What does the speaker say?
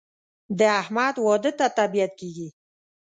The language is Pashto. د احمد واده ته طبیعت کېږي.